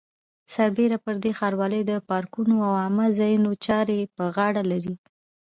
سربېره پر دې ښاروالۍ د پارکونو او عامه ځایونو چارې په غاړه لري.